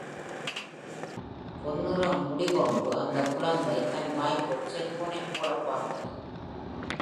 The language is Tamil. பொன் நிற முடி கொண்டு அந்தக் குழந்தை தன் வாய்க்குள் செல்போனைப் போடப் பார்த்தது.